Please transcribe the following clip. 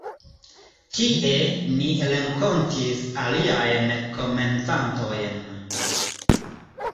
Tie, ni renkontis aliajn komencantojn.